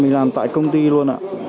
mình làm tại công ty luôn ạ